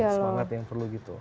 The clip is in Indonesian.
semangat yang perlu gitu